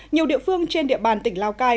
nhiều địa phương trên địa bàn tỉnh lào cai